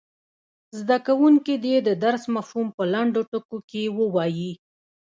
زده کوونکي دې د درس مفهوم په لنډو ټکو کې ووايي.